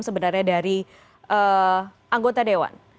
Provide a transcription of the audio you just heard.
sebenarnya dari anggota dewan